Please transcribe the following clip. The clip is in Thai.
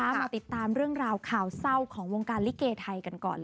มาติดตามเรื่องราวข่าวเศร้าของวงการลิเกไทยกันก่อน